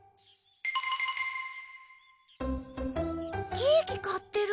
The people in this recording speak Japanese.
ケーキ買ってる。